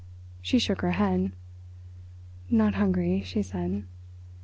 She shook her head. "Not hungry," she said.